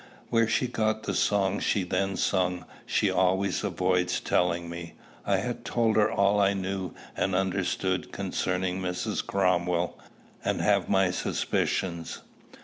Where she got the song she then sung, she always avoids telling me. I had told her all I knew and understood concerning Mrs. Cromwell, and have my suspicions.